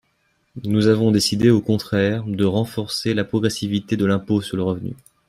Nous avons décidé, au contraire, de renforcer la progressivité de l’impôt sur le revenu.